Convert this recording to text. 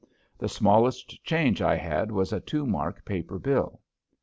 The smallest change I had was a two mark paper bill.